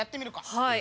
はい。